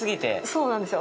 そうなんですよ。